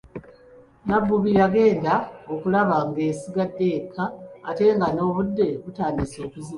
Nabbubi yagenda okulaba ng'esigadde yekka ate nga n'obudde butandise okuziba.